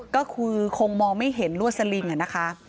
ก็คือคงมองไม่เห็นลวดสลิงนะคะ